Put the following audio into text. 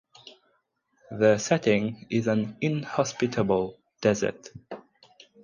The setting is an inhospitable desert.